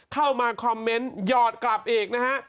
เข้ามาคอมเมนต์หยอดกลับอีกนะฮะ